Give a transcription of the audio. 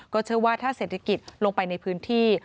เชื่อว่าถ้าเศรษฐกิจลงไปในพื้นที่